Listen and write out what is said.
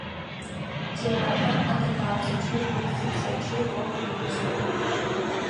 Театрам адыгабзэкӏи урысыбзэкӏи ӏоф ешӏэ.